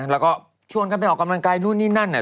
แล้วก็ชวนกันไปออกกำลังกายนู่นนี่นั่นเนี่ย